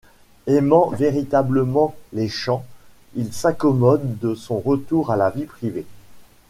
Aimant véritablement les champs, il s’accommode de son retour à la vie privée.